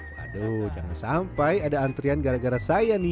waduh jangan sampai ada antrian gara gara saya nih